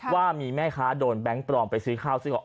ว่ามีแม่ค้าโดนแบงค์ปลอมไปซื้อข้าวซึ่งออก